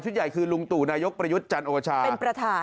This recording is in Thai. ชุดใหญ่คือลุงตู่นายกประยุทธ์จันทร์โอชา